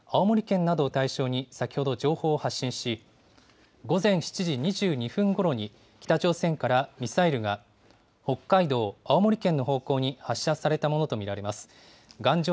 ・全国瞬時警報システムで、青森県などを対象に先ほど情報を発信し、午前７時２２分ごろに北朝鮮からミサイルが北海道、青森県の方向に発射されたものと見られます。